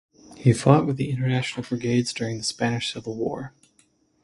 He fought with the International Brigades during the Spanish Civil War.